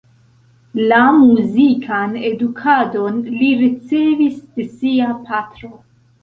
La muzikan edukadon li ricevis de sia patro.